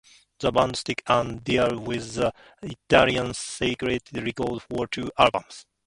The band struck a deal with the Italian Scarlet Records for two albums.